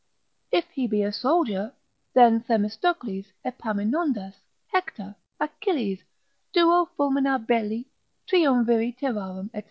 If he be a soldier, then Themistocles, Epaminondas, Hector, Achilles, duo fulmina belli, triumviri terrarum, &c.